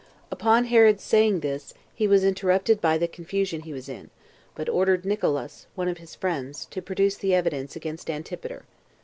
3. Upon Herod's saying this, he was interrupted by the confusion he was in; but ordered Nicolaus, one of his friends, to produce the evidence against Antipater.